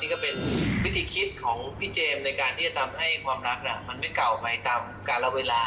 ก็เป็นวิธีคิดของพี่เจมส์ในการที่จะทำให้ความรักมันไม่เก่าไปตามการละเวลา